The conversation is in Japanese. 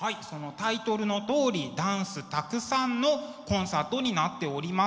そのタイトルのとおりダンスたくさんのコンサートになっております。